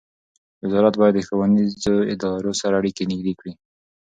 وزارت باید د ښوونیزو ادارو سره اړیکې نږدې کړي.